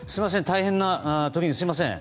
大変な時にすみません。